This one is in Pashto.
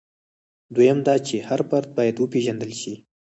دویم دا چې هر فرد باید وپېژندل شي.